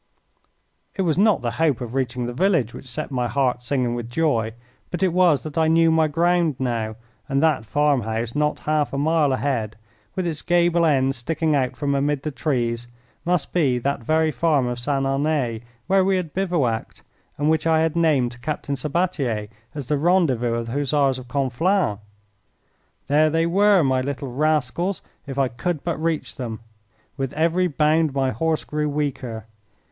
It was not the hope of reaching the village which set my heart singing with joy, but it was that I knew my ground now, and that farm house not half a mile ahead, with its gable end sticking out from amid the trees, must be that very farm of St. Aunay where we had bivouacked, and which I had named to Captain Sabbatier as the rendezvous of the Hussars of Conflans. There they were, my little rascals, if I could but reach them. With every bound my horse grew weaker.